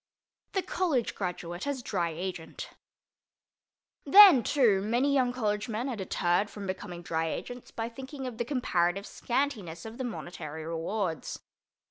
THE COLLEGE GRADUATE AS DRY AGENT Then, too, many young college men are deterred from becoming Dry Agents by thinking of the comparative scantiness of the monetary rewards.